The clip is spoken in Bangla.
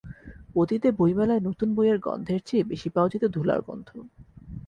অতীতে বইমেলায় নতুন বইয়ের গন্ধের চেয়ে বেশি পাওয়া যেত ধুলার গন্ধ।